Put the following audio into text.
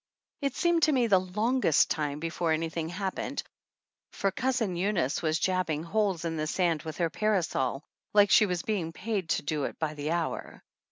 It seemed to me the longest time before any thing happened, for Cousin Eunice was jabbing holes in the sand with her parasol like she was being paid to do it by the hour.